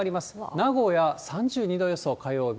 名古屋３２度予想、火曜日。